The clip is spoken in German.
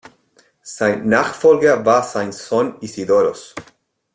Sein Nachfolger war sein Sohn Isidoros.